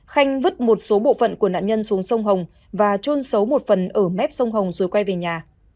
khanh vứt một số bộ phận của nạn nhân xuống sông hồng và trôn xấu một phần ở mép sông hồng rồi quay về nhà